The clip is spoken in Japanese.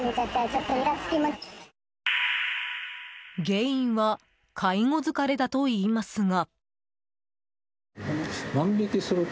原因は介護疲れだと言いますが。